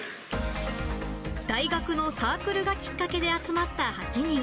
大学のサークルがきっかけで集まった８人。